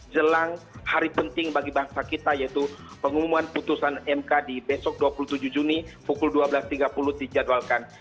jelang hari penting bagi bangsa kita yaitu pengumuman putusan mk di besok dua puluh tujuh juni pukul dua belas tiga puluh dijadwalkan